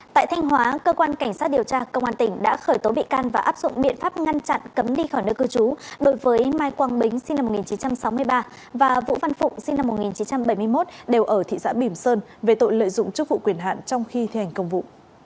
tại thanh hóa cơ quan cảnh sát điều tra công an tỉnh đã khởi tố bị can và áp dụng biện pháp ngăn chặn cấm đi khỏi nơi cư trú đối với mai quang bính sinh năm một nghìn chín trăm sáu mươi ba và vũ văn phụng sinh năm một nghìn chín trăm bảy mươi một đều ở thị xã bỉm sơn về tội lợi dụng chức vụ quyền hạn trong khi thi hành công vụ